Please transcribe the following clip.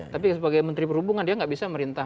tapi sebagai menteri perhubungan dia nggak bisa merintah